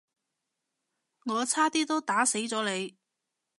我差啲都打死咗你